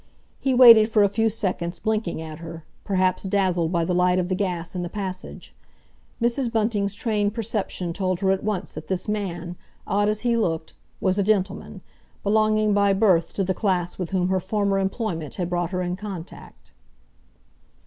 He waited for a few seconds blinking at her, perhaps dazzled by the light of the gas in the passage. Mrs. Bunting's trained perception told her at once that this man, odd as he looked, was a gentleman, belonging by birth to the class with whom her former employment had brought her in contact.